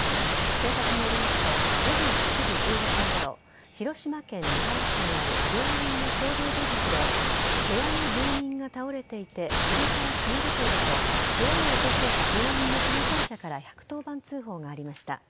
警察によりますと午前７時１５分ごろ広島県三原市にある病院の共同住宅で部屋の住人が倒れていて首から血が出ていると部屋を訪れた病院の関係者から１１０番通報がありました。